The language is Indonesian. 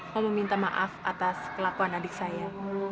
saya meminta maaf atas kelakuan adik saya